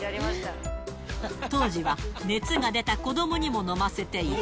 当時は熱が出た子どもにも飲ませていた。